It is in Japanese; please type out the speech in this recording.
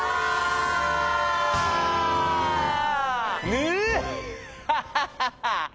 ヌッハハハハ！